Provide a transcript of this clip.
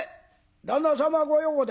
旦那様ご用で？」。